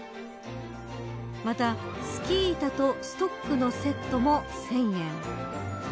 またスキー板とストックのセットも１０００円。